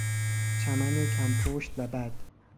چمن کم پشت و بد